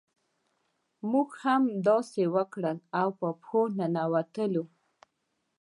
موږ هم همداسې وکړل او په پښو ننوتلو.